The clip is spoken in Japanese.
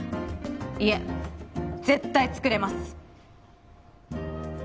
いえ絶対作れます！